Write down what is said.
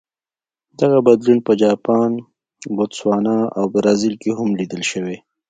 دغه بدلون په جاپان، بوتسوانا او برازیل کې هم لیدل شوی.